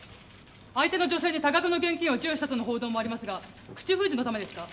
相手の女性に多額の現金を授与したとの報道もありますが口封じのためですか？